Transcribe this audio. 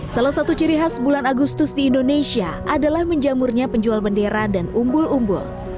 salah satu ciri khas bulan agustus di indonesia adalah menjamurnya penjual bendera dan umbul umbul